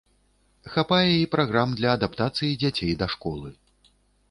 Хапае і праграм для адаптацыі дзяцей да школы.